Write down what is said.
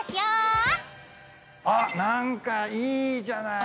何かいいじゃない。